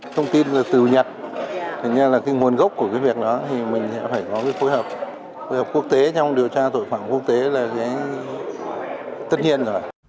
thông tin từ nhật thực ra là hồn gốc của việc đó thì mình sẽ phải có phối hợp quốc tế trong điều tra tội phạm quốc tế là tất nhiên rồi